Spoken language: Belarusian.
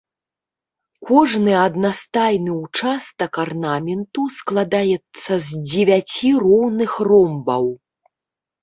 Кожны аднастайны ўчастак арнаменту складаецца з дзевяці роўных ромбаў.